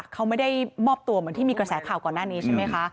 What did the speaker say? เขาไม่ได้มอบตัวเหมือนที่มีกระแสข่าวก่อนหน้านี้ใช่ไหมคะ